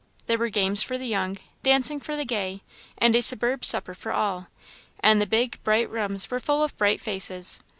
There were games for the young, dancing for the gay, and a superb supper for all; and the big, bright rooms were full of bright faces.